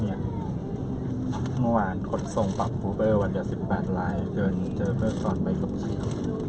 เมื่อวานคนที่ส่งปรับฟูเบอร์วัดเดือด๑๘ลายเดินเจอเฟิร์สตรอนไปกลมเชียว